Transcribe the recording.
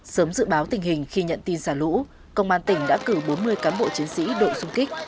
sớm dự báo tình hình khi nhận tin xả lũ công an tỉnh đã cử bốn mươi cán bộ chiến sĩ đội xung kích